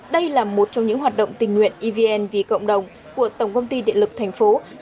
đây là một trong những hoạt động tình nguyện evn vì cộng đồng của tổng công ty điện lực thành phố